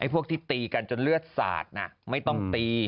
พวกที่ตีกันจนเลือดสาดไม่ต้องตี